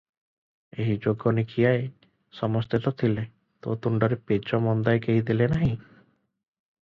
ଏହି ଯୋଗିନୀଖିଆଏ ସମସ୍ତେ ତ ଥିଲେ, ତୋ ତୁଣ୍ଡରେ ପେଜ ମନ୍ଦାଏ କେହି ଦେଲେ ନାହିଁ?